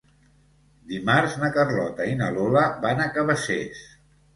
Dimarts na Carlota i na Lola van a Cabacés.